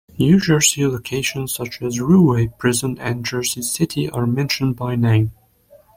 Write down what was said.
New Jersey locations such as Rahway Prison and Jersey City are mentioned by name.